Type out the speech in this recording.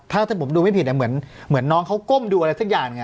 ถ้าผมดูไม่ผิดเหมือนน้องเขาก้มดูอะไรสักอย่างไง